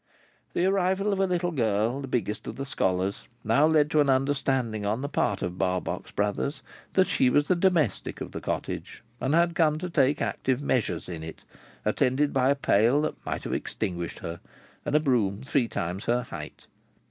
The arrival of a little girl, the biggest of the scholars, now led to an understanding on the part of Barbox Brothers, that she was the domestic of the cottage, and had come to take active measures in it, attended by a pail that might have extinguished her, and a broom three times her height.